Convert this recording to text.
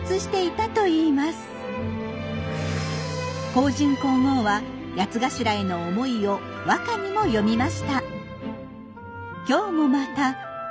香淳皇后はヤツガシラへの思いを和歌にも詠みました。